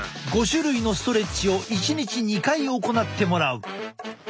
５種類のストレッチを１日２回行ってもらう。